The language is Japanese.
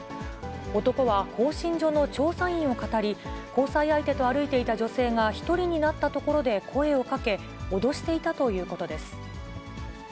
男は興信所の調査員をかたり、交際相手と歩いていた女性が１人になったところで声をかけ、脅していたということです。